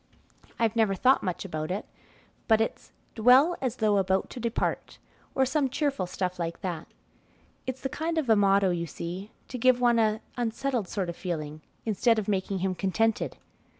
I've never thought much about it, but it's 'Dwell as though about to depart,' or some cheerful stuff like that. It's the kind of a motto, you see, to give one an unsettled sort of feeling, instead of making him contented."